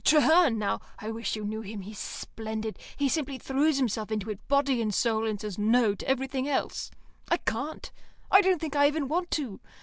Traherne, now I wish you knew him; he's splendid. He simply throws himself into it body and soul, and says no to everything else. I can't. I don't think I even want to.